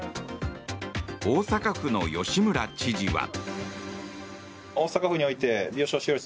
大阪府の吉村知事は。